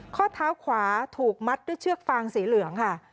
ข้อเท้าขวาถูกมัดด้วยเชือกฟางสีเหลืองค่ะ